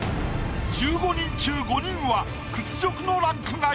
１５人中５人は屈辱のランク外。